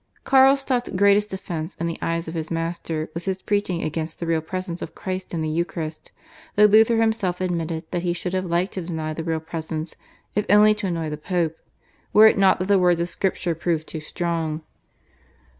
Carlstadt's greatest offence in the eyes of his master was his preaching against the Real Presence of Christ in the Eucharist, though Luther himself admitted that he should have liked to deny the Real Presence if only to annoy the Pope, were it not that the words of Scripture proved too strong.